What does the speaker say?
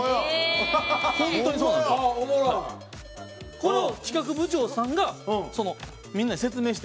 これを企画部長さんがみんなに説明して。